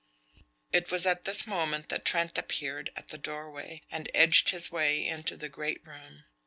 It was at this moment that Trent appeared at the doorway, and edged his way into the great room.